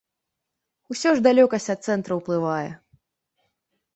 Усё ж далёкасць ад цэнтра ўплывае.